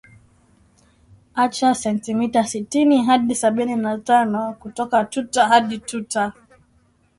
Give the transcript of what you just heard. acha sentimita sitini hadi sabini na tano kutoka tuta hadi tuta